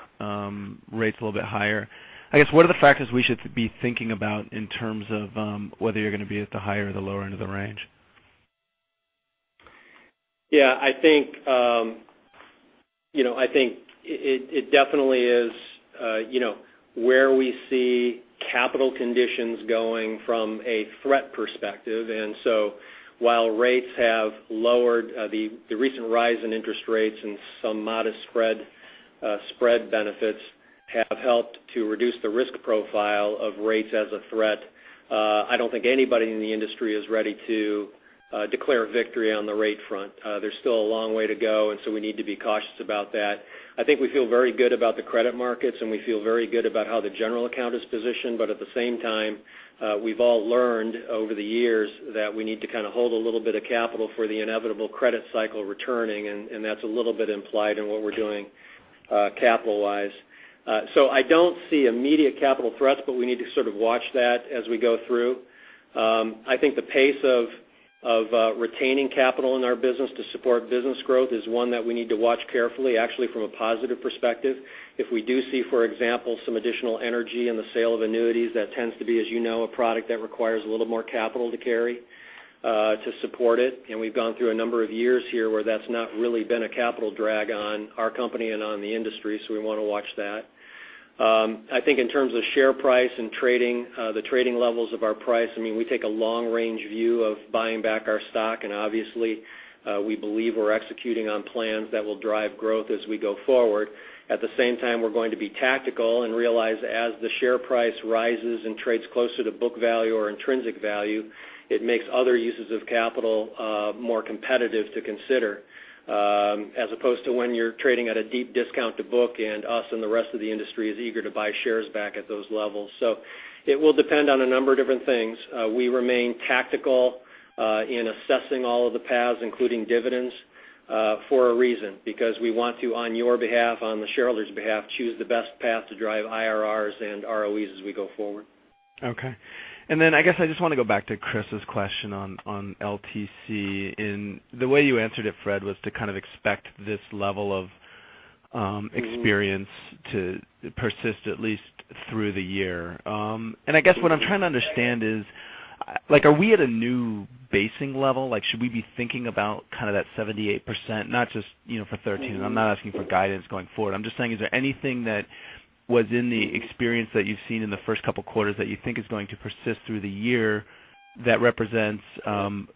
rates a little bit higher. I guess, what are the factors we should be thinking about in terms of whether you're going to be at the higher or the lower end of the range? Yeah, I think it definitely is where we see capital conditions going from a threat perspective. While rates have lowered, the recent rise in interest rates and some modest spread benefits have helped to reduce the risk profile of rates as a threat. I don't think anybody in the industry is ready to declare victory on the rate front. There's still a long way to go, we need to be cautious about that. I think we feel very good about the credit markets, and we feel very good about how the general account is positioned. At the same time, we've all learned over the years that we need to hold a little bit of capital for the inevitable credit cycle returning, and that's a little bit implied in what we're doing capital-wise. I don't see immediate capital threats, but we need to sort of watch that as we go through. I think the pace of retaining capital in our business to support business growth is one that we need to watch carefully, actually from a positive perspective. If we do see, for example, some additional energy in the sale of annuities, that tends to be, as you know, a product that requires a little more capital to carry to support it. We've gone through a number of years here where that's not really been a capital drag on our company and on the industry, so we want to watch that. I think in terms of share price and the trading levels of our price, we take a long-range view of buying back our stock, and obviously, we believe we're executing on plans that will drive growth as we go forward. At the same time, we're going to be tactical and realize as the share price rises and trades closer to book value or intrinsic value, it makes other uses of capital more competitive to consider, as opposed to when you're trading at a deep discount to book and us and the rest of the industry is eager to buy shares back at those levels. It will depend on a number of different things. We remain tactical in assessing all of the paths, including dividends, for a reason, because we want to, on your behalf, on the shareholders' behalf, choose the best path to drive IRRs and ROEs as we go forward. Okay. Then, I guess I just want to go back to Chris's question on LTC in the way you answered it, Fred, was to kind of expect this level of experience to persist at least through the year. I guess what I'm trying to understand is, are we at a new basing level? Should we be thinking about that 78%, not just for 2013? I'm not asking for guidance going forward, I'm just saying, is there anything that was in the experience that you've seen in the first couple quarters that you think is going to persist through the year that represents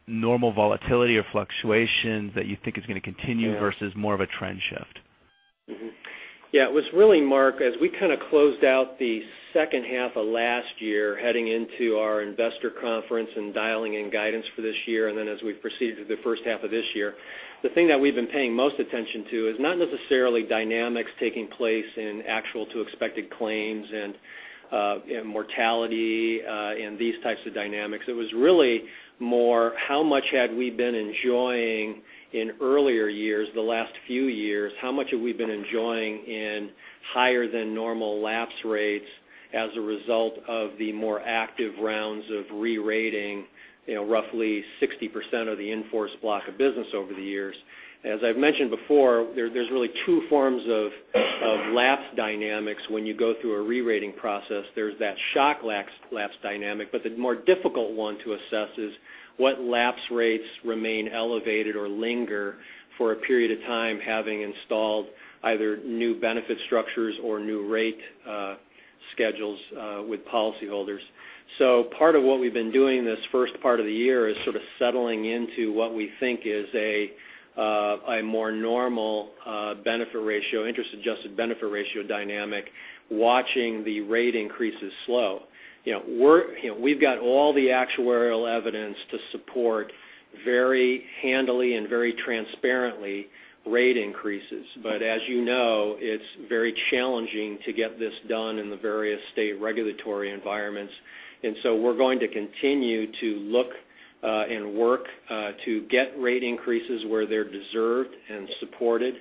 normal volatility or fluctuation that you think is going to continue versus more of a trend shift? Yeah, it was really, Mark, as we kind of closed out the second half of last year heading into our investor conference and dialing in guidance for this year, then as we proceeded through the first half of this year, the thing that we've been paying most attention to is not necessarily dynamics taking place in actual to expected claims and mortality, and these types of dynamics. It was really more how much had we been enjoying in earlier years, the last few years, how much have we been enjoying in higher than normal lapse rates as a result of the more active rounds of re-rating roughly 60% of the in-force block of business over the years. As I've mentioned before, there's really two forms of lapse dynamics when you go through a re-rating process. There's that shock lapse dynamic, the more difficult one to assess is what lapse rates remain elevated or linger for a period of time, having installed either new benefit structures or new rate schedules with policyholders. Part of what we've been doing this first part of the year is sort of settling into what we think is a more normal benefit ratio, interest-adjusted benefit ratio dynamic, watching the rate increases slow. We've got all the actuarial evidence to support very handily and very transparently rate increases. As you know, it's very challenging to get this done in the various state regulatory environments. We're going to continue to look and work to get rate increases where they're deserved and supported.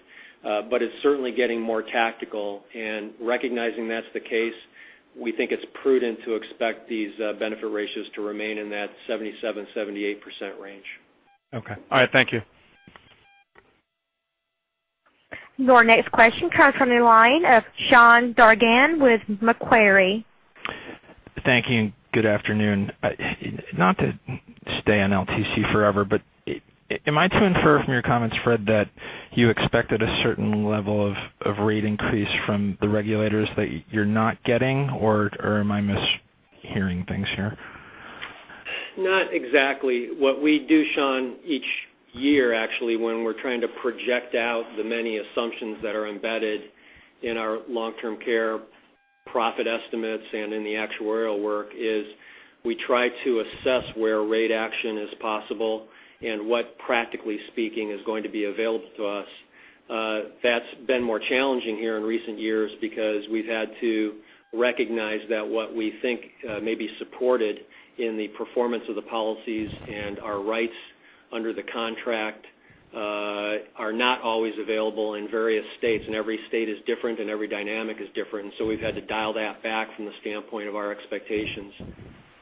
It's certainly getting more tactical and recognizing that's the case, we think it's prudent to expect these benefit ratios to remain in that 77%-78% range. Okay. All right, thank you. Your next question comes from the line of Sean Dargan with Macquarie. Thank you, and good afternoon. Not to stay on LTC forever, but am I to infer from your comments, Fred, that you expected a certain level of rate increase from the regulators that you're not getting, or am I mishearing things here? Not exactly. What we do, Sean, each year, actually, when we're trying to project out the many assumptions that are embedded in our long-term care profit estimates and in the actuarial work, is we try to assess where rate action is possible and what, practically speaking, is going to be available to us. That's been more challenging here in recent years because we've had to recognize that what we think may be supported in the performance of the policies and our rights under the contract are not always available in various states. Every state is different, and every dynamic is different. We've had to dial that back from the standpoint of our expectations.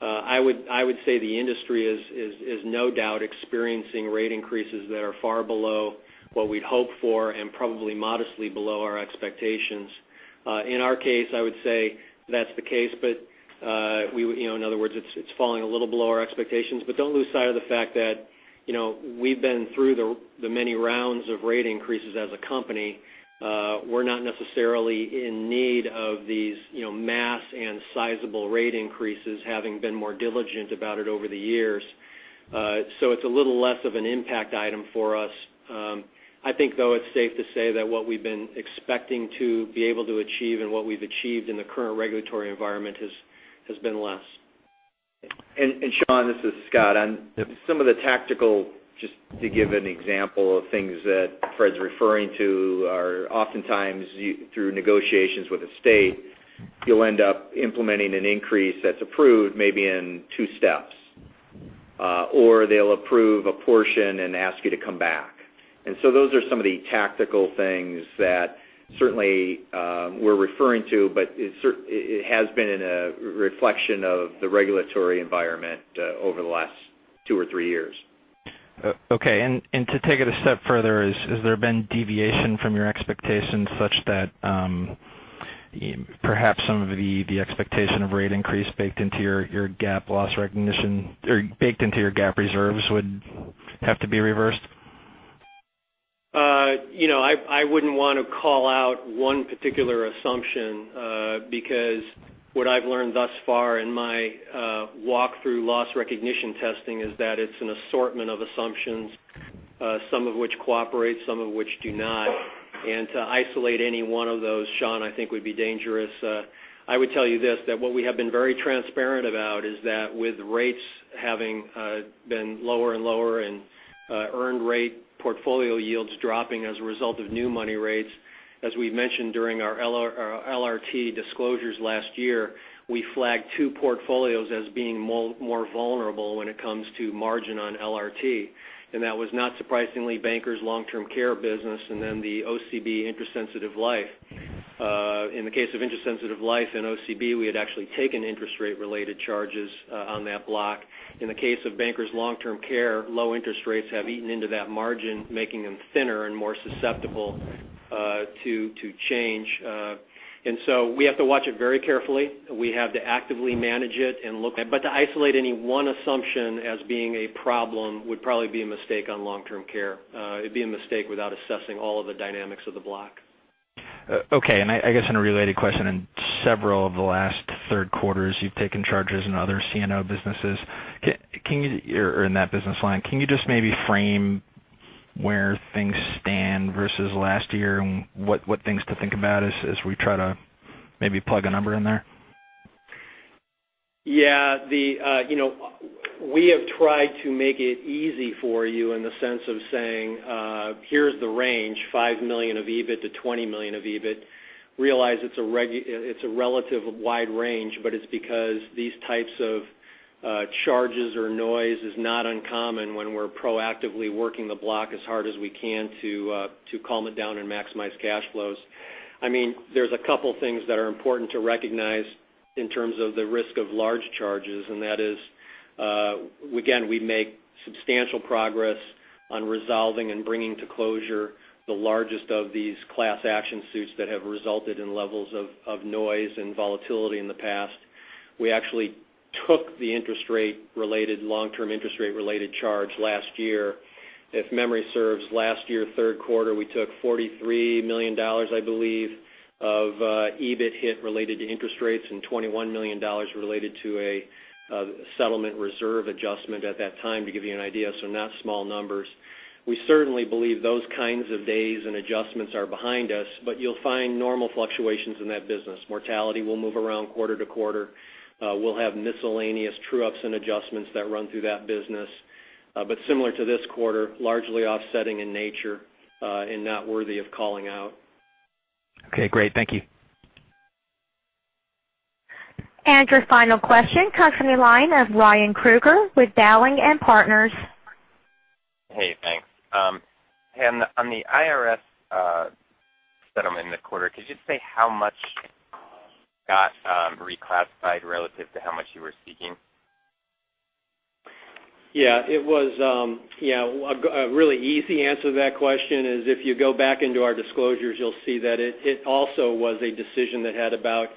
I would say the industry is no doubt experiencing rate increases that are far below what we'd hoped for and probably modestly below our expectations. In our case, I would say that's the case, but in other words, it's falling a little below our expectations. Don't lose sight of the fact that we've been through the many rounds of rate increases as a company. We're not necessarily in need of these mass and sizable rate increases, having been more diligent about it over the years. It's a little less of an impact item for us. I think, though, it's safe to say that what we've been expecting to be able to achieve and what we've achieved in the current regulatory environment has been less. Sean, this is Scott. On some of the tactical, just to give an example of things that Fred's referring to, are oftentimes through negotiations with the state, you'll end up implementing an increase that's approved maybe in two steps, or they'll approve a portion and ask you to come back. Those are some of the tactical things that certainly we're referring to, but it has been in a reflection of the regulatory environment over the last two or three years. Okay. To take it a step further, has there been deviation from your expectations such that perhaps some of the expectation of rate increase baked into your GAAP loss recognition or baked into your GAAP reserves would have to be reversed? I wouldn't want to call out one particular assumption, because what I've learned thus far in my walk through loss recognition testing is that it's an assortment of assumptions, some of which cooperate, some of which do not. To isolate any one of those, Sean, I think would be dangerous. I would tell you this, that what we have been very transparent about is that with rates having been lower and lower and earned rate portfolio yields dropping as a result of new money rates, as we've mentioned during our LRT disclosures last year, we flagged two portfolios as being more vulnerable when it comes to margin on LRT, and that was not surprisingly, Bankers long-term care business, and then the OCB Interest-Sensitive Life. In the case of Interest-Sensitive Life and OCB, we had actually taken interest rate related charges on that block. In the case of Bankers long-term care, low interest rates have eaten into that margin, making them thinner and more susceptible to change. So we have to watch it very carefully. We have to actively manage it and look at it, but to isolate any one assumption as being a problem would probably be a mistake on long-term care. It'd be a mistake without assessing all of the dynamics of the block. Okay. I guess in a related question, in several of the last third quarters, you've taken charges in other CNO businesses or in that business line. Can you just maybe frame where things stand versus last year and what things to think about as we try to maybe plug a number in there? Yeah. We have tried to make it easy for you in the sense of saying, here's the range, $5 million of EBIT to $20 million of EBIT. Realize it's a relative wide range, but it's because these types of charges or noise is not uncommon when we're proactively working the block as hard as we can to calm it down and maximize cash flows. There's a couple things that are important to recognize in terms of the risk of large charges, and that is, again, we make substantial progress on resolving and bringing to closure the largest of these class action suits that have resulted in levels of noise and volatility in the past. We actually took the long-term interest rate related charge last year. If memory serves, last year, third quarter, we took $43 million, I believe, of EBIT hit related to interest rates and $21 million related to a settlement reserve adjustment at that time, to give you an idea. Not small numbers. We certainly believe those kinds of days and adjustments are behind us, but you'll find normal fluctuations in that business. Mortality will move around quarter to quarter. We'll have miscellaneous true-ups and adjustments that run through that business. Similar to this quarter, largely offsetting in nature, and not worthy of calling out. Okay, great. Thank you. Your final question comes from the line of Ryan Krueger with Dowling & Partners. Hey, thanks. On the IRS settlement in the quarter, could you say how much got reclassified relative to how much you were seeking? Yeah. A really easy answer to that question is if you go back into our disclosures, you'll see that it also was a decision that had about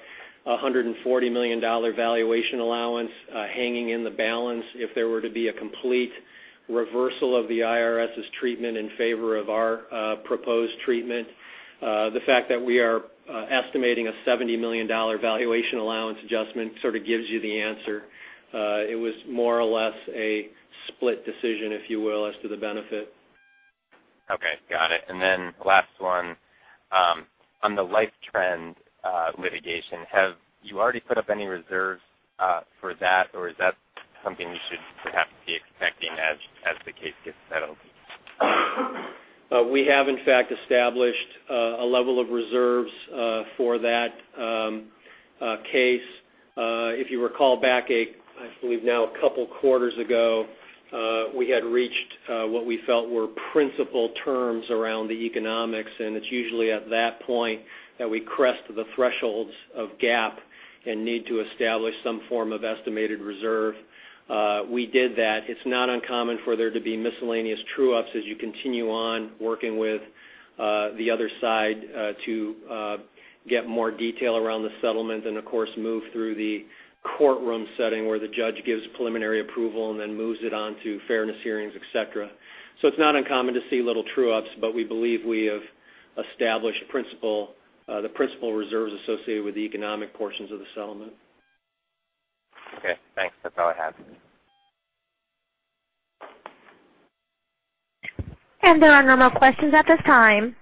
$140 million valuation allowance hanging in the balance if there were to be a complete reversal of the IRS's treatment in favor of our proposed treatment. The fact that we are estimating a $70 million valuation allowance adjustment sort of gives you the answer. It was more or less a split decision, if you will, as to the benefit. Okay, got it. Last one. On the LifeTrend litigation, have you already put up any reserves for that, or is that something we should perhaps be expecting as the case gets settled? We have, in fact, established a level of reserves for that case. If you recall back, I believe now a couple quarters ago, we had reached what we felt were principal terms around the economics. It's usually at that point that we crest the thresholds of GAAP and need to establish some form of estimated reserve. We did that. It's not uncommon for there to be miscellaneous true-ups as you continue on working with the other side to get more detail around the settlement. Of course, move through the courtroom setting where the judge gives preliminary approval and then moves it on to fairness hearings, et cetera. It's not uncommon to see little true-ups, but we believe we have established the principal reserves associated with the economic portions of the settlement. Okay, thanks. That's all I have. There are no more questions at this time.